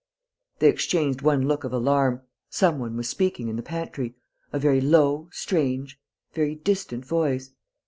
They exchanged one look of alarm.... Some one was speaking in the pantry ... a very low, strange, very distant voice....